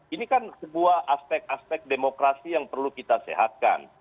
ini kan sebuah aspek aspek demokrasi yang perlu kita sehatkan